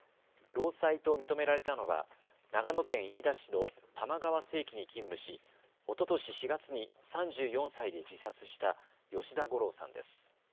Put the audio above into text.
労災と認められたのは長野県飯田市の多摩川精機に勤務し、おととし４月に３４歳で自殺した吉田午郎さんです。